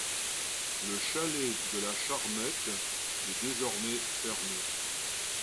Le chalet de la Charmette est désormais fermé.